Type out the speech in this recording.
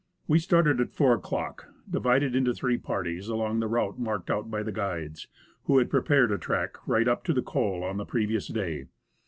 We started at 4 o'clock, divided into three parties, along the route marked out by the guides, who had prepared a track right up to the col on the previous day.